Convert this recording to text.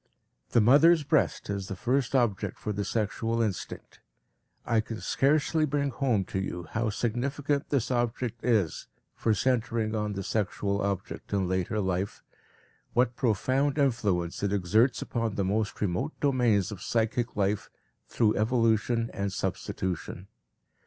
The mother's breast is the first object for the sexual instinct; I can scarcely bring home to you how significant this object is for centering on the sexual object in later life, what profound influence it exerts upon the most remote domains of psychic life through evolution and substitution.